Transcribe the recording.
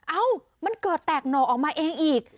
เอ้ามันเกิดแตกหน่อออกมาเองอีก